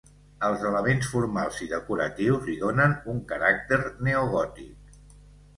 Els elements formals i decoratius li donen un caràcter neogòtic.